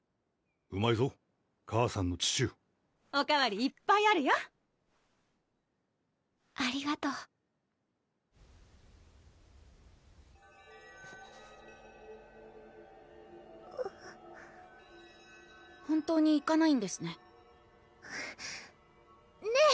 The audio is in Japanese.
うまいぞ母さんのチシューおかわりいっぱいあるよありがとう本当に行かないんですね？ねぇ